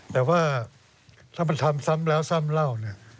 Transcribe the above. แต่ว่าถ้ามันทำสามแรกแล้วสามเหล่า